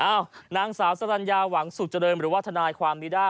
เอ้านางสาวสรรญาหวังสุจริงหรือวัฒนาความลีด้า